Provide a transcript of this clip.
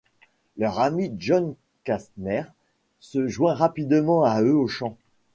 Leur ami John Kastner se joint rapidement à eux au chant.